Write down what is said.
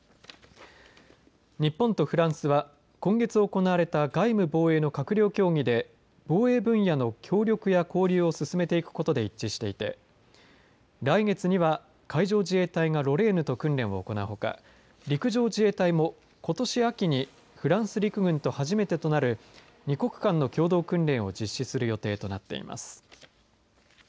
日本とフランスは今月行われた外務・防衛の閣僚協議で防衛分野の協力や交流を進めていくことで一致していて来月には海上自衛隊がロレーヌと訓練を行うほか陸上自衛隊もことし秋にフランス陸軍と初めてとなる２国間の共同訓練を実施する予定となっています。